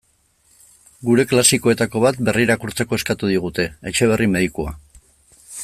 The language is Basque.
Gure klasikoetako bat berrirakurtzeko eskatu digute: Etxeberri medikua.